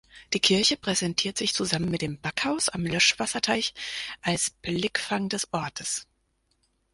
Die Kirche präsentiert sich zusammen mit dem Backhaus am Löschwasserteich als Blickfang des Ortes.